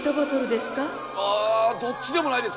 あどっちでもないですよ。